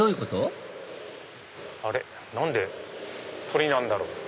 何で鳥なんだろう？